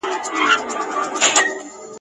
په واشنګټن کي !.